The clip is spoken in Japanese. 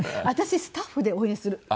私スタッフで応援する。